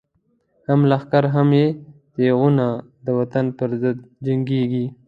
هم لښکر هم یی تیغونه، د وطن پر ضد جنگیږی